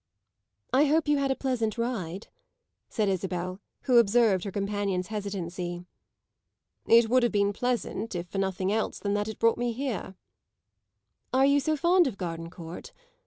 "I hope you had a pleasant ride," said Isabel, who observed her companion's hesitancy. "It would have been pleasant if for nothing else than that it brought me here." "Are you so fond of Gardencourt?"